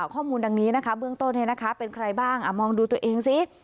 ข้อมูลดังนี้นะคะเบื้องต้นเป็นใครบ้างมองดูตัวเองซิ